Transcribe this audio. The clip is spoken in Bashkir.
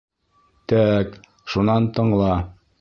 Тә-ә-әк, шунан тыңла!